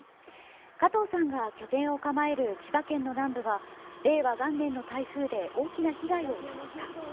加藤さんが拠点を構える千葉県の南部は令和元年の台風で大きな被害を受けました。